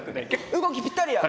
動きぴったりや！